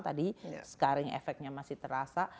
tadi scaring efeknya masih terasa